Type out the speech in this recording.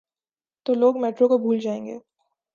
تو لوگ میٹرو کو بھول جائیں گے۔